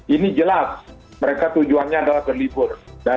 ini jelas mereka tujuannya adalah berlibur